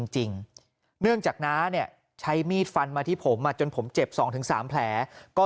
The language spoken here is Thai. จริงเนื่องจากน้าเนี่ยใช้มีดฟันมาที่ผมจนผมเจ็บ๒๓แผลก็